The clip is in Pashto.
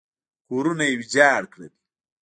کورونه یې ویجاړ کړل.